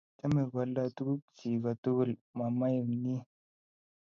Chame koaldoi tuguk chi kotugul mamaenyi